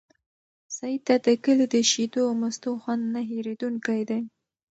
سعید ته د کلي د شیدو او مستو خوند نه هېرېدونکی دی.